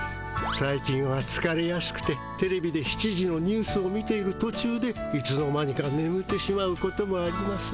最近はつかれやすくてテレビで７時のニュースを見ているとちゅうでいつの間にかねむってしまうこともあります。